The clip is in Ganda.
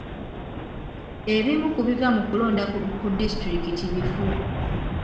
Ebimu ku biva mu kulonda ku disitulikiti bifu.